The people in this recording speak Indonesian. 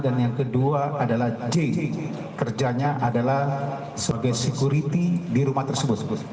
dan yang kedua adalah j kerjanya adalah sebagai security di rumah tersebut